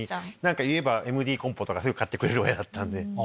言えばＭＤコンポとかすぐ買ってくれる親だったんで。